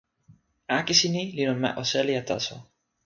akesi ni li lon ma Oselija taso.